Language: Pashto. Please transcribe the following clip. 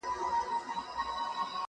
زما په شان سي څوک آواز پورته کولای!.